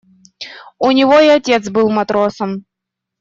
У него и отец был матросом.